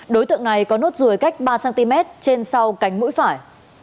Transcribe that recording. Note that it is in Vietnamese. đối tượng này có nốt ruồi cách ba cm trên sau cánh mũi phải